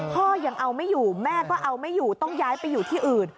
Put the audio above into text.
พ่อยังเอาไม่อยู่แม่ก็เอาไม่อยู่ต้องย้ายไปอยู่ที่อื่น